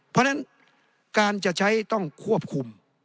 เพราะฉะนั้นการจะใช้ต้องควบคุม